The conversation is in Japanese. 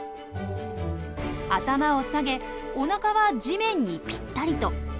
頭を下げおなかは地面にピッタリと。